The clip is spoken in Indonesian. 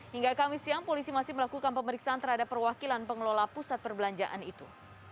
hingga kamis siang polisi masih melakukan pemeriksaan terhadap perwakilan pengelola pusat perbelanjaan itu